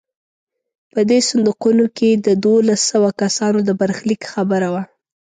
په دې صندوقونو کې د دولس سوه کسانو د برخلیک خبره وه.